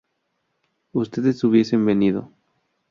ustedes hubiesen vivido